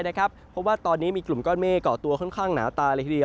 เพราะว่าตอนนี้มีกลุ่มก้อนเมฆก่อตัวค่อนข้างหนาตา